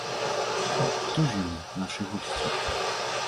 Хто ж яны, нашы госці?